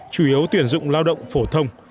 chủ yếu tuyển dụng lao động phổ thông